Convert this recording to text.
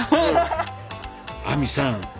亜美さん